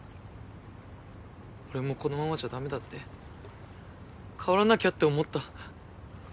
俺もこのままじゃダメだって変わらなきゃって思った。